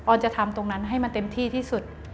จะทำตรงนั้นให้มันเต็มที่ที่สุด